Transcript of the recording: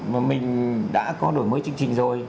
mà mình đã có đổi mới chương trình rồi